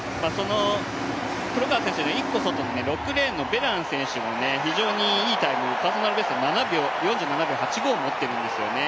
黒川選手の１個外の６レーンのベラン選手も非常にいいタイム、パーソナルベスト、４７秒８５を持っているんですよね。